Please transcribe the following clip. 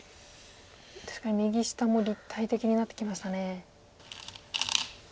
確かに右下も立体的になってきましたね。